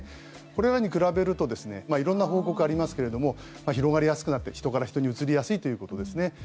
これらに比べると色んな報告がありますが広がりやすくなって人から人へうつりやすいということですね。